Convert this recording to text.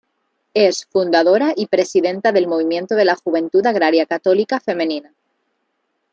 Es fundadora y presidenta del Movimiento de la Juventud Agraria Católica Femenina.